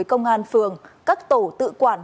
công an phường các tổ tự quản